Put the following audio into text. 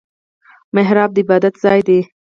محراب د عبادت ځای دی